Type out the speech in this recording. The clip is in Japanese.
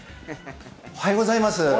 おはようございます。